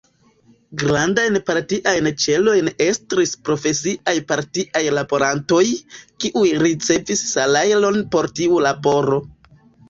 Grandajn partiajn ĉelojn estris profesiaj partiaj laborantoj, kiuj ricevis salajron por tiu laboro.